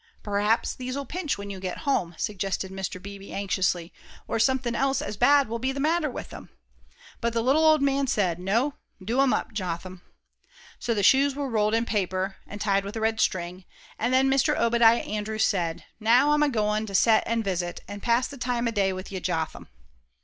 "P'r'aps these'll pinch when you get home," suggested Mr. Beebe, anxiously, "or somethin' else as bad will be the matter with 'em." But the little old man said, "No; do 'em up, Jotham." So the shoes were rolled in paper, and tied with a red string, and then Mr. Obadiah Andrews said, "Now I'm a goin' to set an' visit, and pass the time o' day with you, Jotham."